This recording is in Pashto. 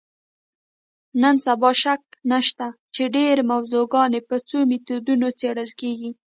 نن سبا شک نشته چې ډېری موضوعګانې په څو میتودونو څېړل کېږي.